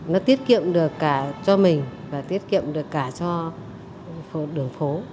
nó tiết kiệm được cả cho mình và tiết kiệm được cả cho đường phố